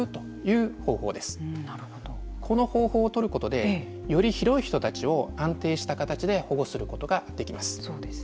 この方法を取ることでより広い人たちを安定した形で保護することができます。